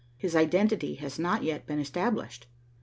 His identity has not yet been established.